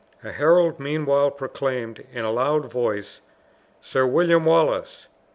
A herald meanwhile proclaimed, in a loud voice, "Sir William Wallace!